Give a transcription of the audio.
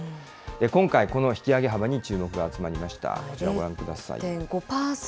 今回、この引き上げ幅に注目が集まりました。